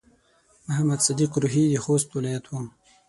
محمد صديق روهي د خوست ولايت و.